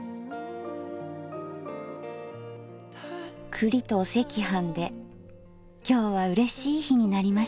栗とお赤飯で今日はうれしい日になりました。